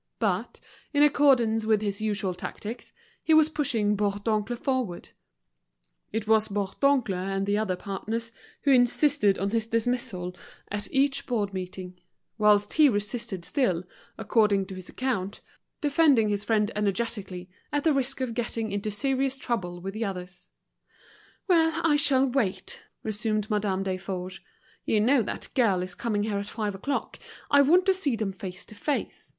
But, in accordance with his usual tactics, he was pushing Bourdoncle forward; it was Bourdoncle and the other partners who insisted on his dismissal at each board meeting; whilst he resisted still, according to his account, defending his friend energetically, at the risk of getting into serious trouble with the others. "Well, I shall wait," resumed Madame Desforges. "You know that girl is coming here at five o'clock, I want to see them face to face.